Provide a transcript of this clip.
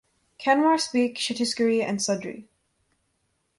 Kanwar speak Chhattisgarhi and Sadri.